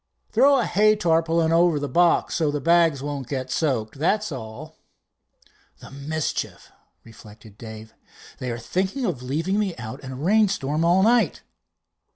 "Throw a hay tarpaulin over the box, so the bags won't get soaked, that's all." "The mischief!" reflected Dave. "Are they thinking of leaving me out in a rainstorm all night?"